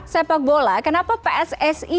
sepak bola kenapa pssi